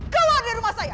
keluar dari rumah saya